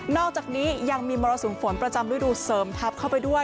อกจากนี้ยังมีมรสุมฝนประจำฤดูเสริมทับเข้าไปด้วย